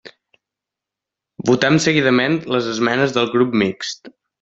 Votem seguidament les esmenes del Grup Mixt.